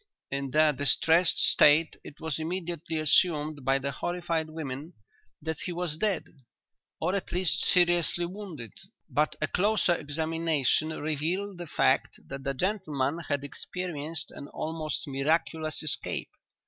In their distressed state it was immediately assumed by the horrified women that he was dead, or at least seriously wounded, but a closer examination revealed the fact that the gentleman had experienced an almost miraculous escape.